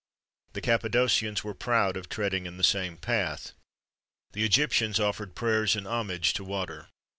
[XXV 2] The Cappadocians were proud of treading in the same path.[XXV 3] The Egyptians offered prayers and homage to water.